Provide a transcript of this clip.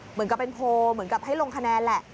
เหมือนกับเป็นโพลเหมือนกับให้ลงคะแนนแหละ